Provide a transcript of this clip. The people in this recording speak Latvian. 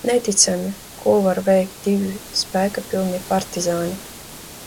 Neticami, ko var veikt divi spēka pilni partizāni.